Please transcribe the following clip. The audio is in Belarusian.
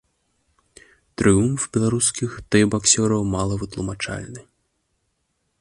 Трыумф беларускіх тайбаксёраў мала вытлумачальны.